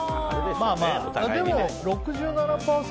でも、６７％。